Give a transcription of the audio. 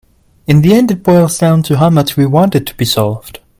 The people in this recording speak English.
In the end it boils down to how much we want it to be solved.